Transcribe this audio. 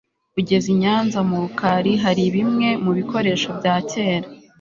ugeze inyanza murukari haribimwe mubikoresho byakera